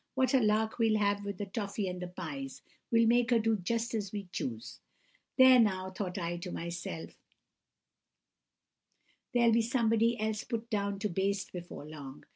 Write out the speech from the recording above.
'What a lark we'll have with the toffey and the pies! We'll make her do just as we choose!' "'There, now,' thought I to myself, 'there'll be somebody else put down to baste before long.